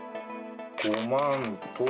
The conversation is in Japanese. ５万と。